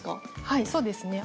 はいそうですね。